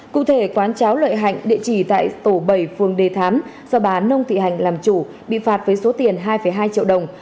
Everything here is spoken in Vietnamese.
cụ thể quán cháo lợi hạnh địa chỉ tại tổ bảy phường đề thám do bà nông thị hành làm chủ bị phạt với số tiền hai hai triệu đồng